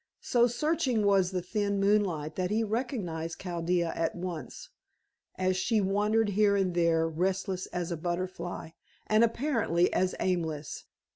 So searching was the thin moonlight that he recognized Chaldea at once, as she wandered here and there restless as a butterfly, and apparently as aimless.